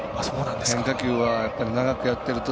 変化球は、長くやってると。